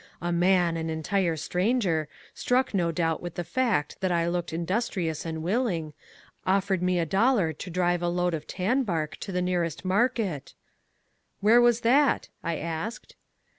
A man, an entire stranger, struck no doubt with the fact that I looked industrious and willing, offered me a dollar to drive a load of tan bark to the nearest market " "Where was that?" I asked.